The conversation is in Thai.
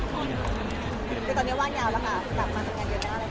พี่เอ็มเค้าเป็นระบองโรงงานหรือเปลี่ยนไงครับ